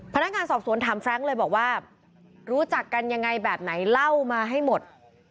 พนักงานสอบสวนถามแร้งเลยบอกว่ารู้จักกันยังไงแบบไหนเล่ามาให้หมด